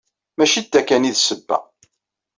Maci d ta kan ay d ssebba.